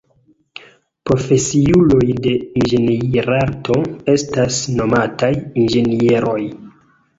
Profesiuloj de inĝenierarto estas nomataj inĝenieroj.